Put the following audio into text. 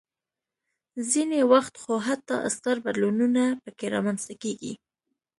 ځینې وخت خو حتی ستر بدلونونه پکې رامنځته کېږي.